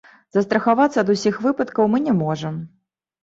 Застрахавацца ад усіх выпадкаў мы не можам.